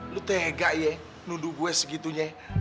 lu tega ya nunduk gue segitunya